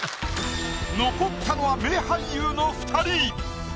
残ったのは名俳優の二人。